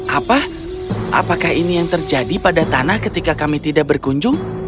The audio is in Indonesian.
apa apakah ini yang terjadi pada tanah ketika kami tidak berkunjung